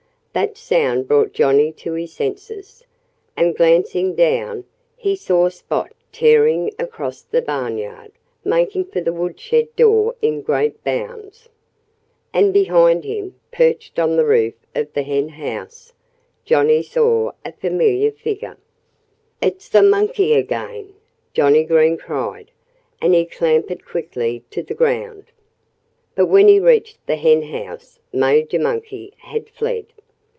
That sound brought Johnnie to his senses. And glancing down, he saw Spot tearing across the barnyard, making for the woodshed door in great bounds. And behind him, perched on the roof of the henhouse, Johnnie saw a familiar figure. "It's the monkey again!" Johnnie Green cried. And he clambered quickly to the ground. But when he reached the henhouse Major Monkey had fled.